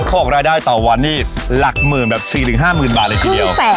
ข้ออกรายได้ต่อวันนี้หลักหมื่นแบบฟรีถึง๕หมื่นบาทใดเดียว